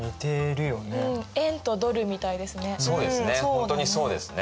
本当にそうですね。